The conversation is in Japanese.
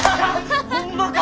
ホンマか！